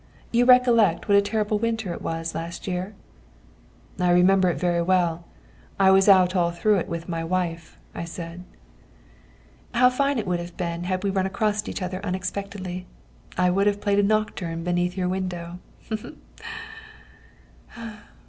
You recollect what a terrible winter it was last year?" "I remember it very well. I was out all through it with my wife," I said. "How fine it would have been had we run across each other unexpectedly. I would have played a nocturne beneath your window.